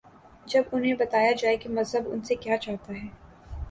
جب انہیں بتایا جائے کہ مذہب ان سے کیا چاہتا ہے۔